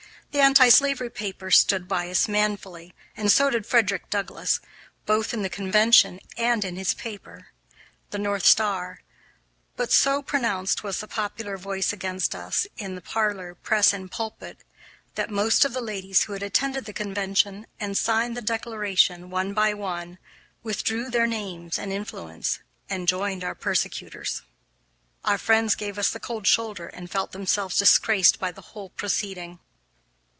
The anti slavery papers stood by us manfully and so did Frederick Douglass, both in the convention and in his paper, The North Star, but so pronounced was the popular voice against us, in the parlor, press, and pulpit, that most of the ladies who had attended the convention and signed the declaration, one by one, withdrew their names and influence and joined our persecutors. Our friends gave us the cold shoulder and felt themselves disgraced by the whole proceeding.